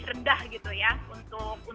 rendah gitu ya untuk